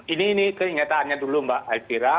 ini ini kenyataannya dulu mbak alfira